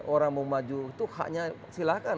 orang mau maju itu haknya silahkan